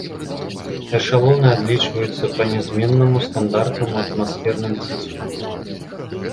Эшалоны адлічваюцца па нязменнаму стандартнаму атмасферным ціску.